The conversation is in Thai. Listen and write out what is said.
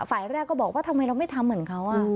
ฝ่ายแรกก็บอกว่าทำไมเราไม่ทำเหมือนเขา